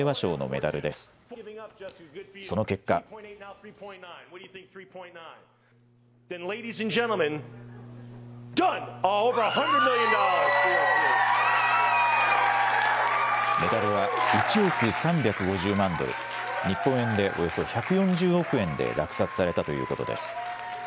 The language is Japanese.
メダルは１億３５０万ドル、日本円でおよそ１４０億円で落札されたということです。